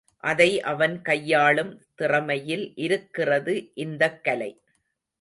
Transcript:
அதை அவன் கையாளும் திறமையில் இருக்கிறது இந்தக் கலை.